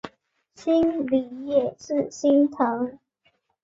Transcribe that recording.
心里也是心疼